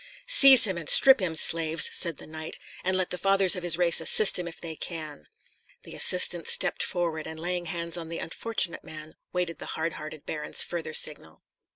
"Seize him, and strip him, slaves!" said the knight, "and let the fathers of his race assist him if they can." The assistants stepped forward, and laying hands on the unfortunate man, waited the hardhearted baron's further signal.